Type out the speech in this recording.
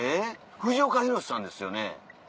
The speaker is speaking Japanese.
藤岡弘、さんですよね？